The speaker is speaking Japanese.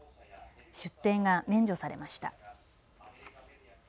出廷が免除されました。